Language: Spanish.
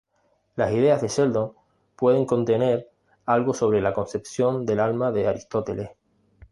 Las ideas de Sheldon pueden contener algo sobre la concepción del alma de Aristóteles.